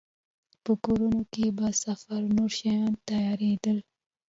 په کورونو کې به د سفر نور شیان تيارېدل.